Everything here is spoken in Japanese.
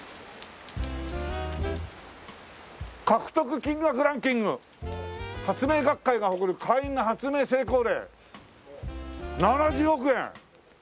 「獲得金額ランキング」「発明学会が誇る会員の発明成功例」「７０億円」！